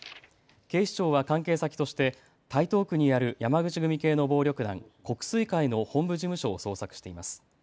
警視庁は関係先として台東区にある山口組系の暴力団、国粋会の本部事務所を捜索しています。